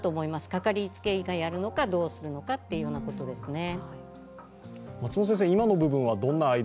かかりつけ医がやるのか、どうするのかということですね。